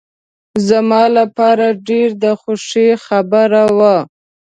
زما لپاره ډېر د خوښۍ خبره وه.